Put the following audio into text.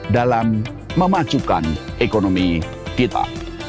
dalam memacukan ekonomi kita